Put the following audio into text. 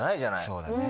そうだね。